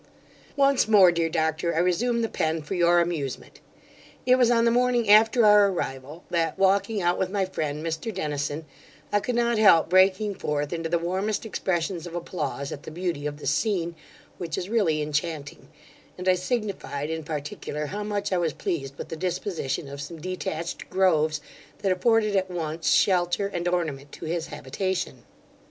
Once more, dear doctor, I resume the pen for your amusement. It was on the morning after our arrival that, walking out with my friend, Mr Dennison, I could not help breaking forth into the warmest expressions of applause at the beauty of the scene, which is really inchanting; and I signified, in particular, how much I was pleased with the disposition of some detached groves, that afforded at once shelter and ornament to his habitation.